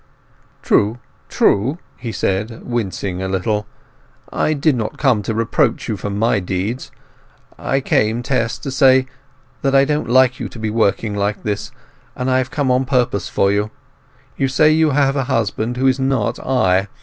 "True, true," he said, wincing a little. "I did not come to reproach you for my deeds. I came Tess, to say that I don't like you to be working like this, and I have come on purpose for you. You say you have a husband who is not I.